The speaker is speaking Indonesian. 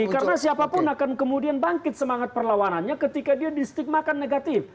karena siapapun akan kemudian bangkit semangat perlawanannya ketika dia distigmakan negatif